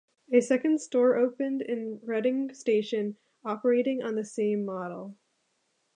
A second store opened in Reading station operating on the same model.